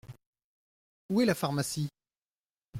Où est la pharmacie ?